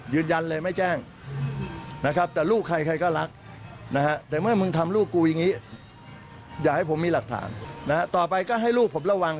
อยากให้ผมมีหลักฐานต่อไปก็ให้ลูกผมระวัง